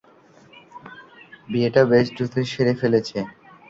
বিয়েটাও বেশ দ্রুতই সেরে ফেলেছে!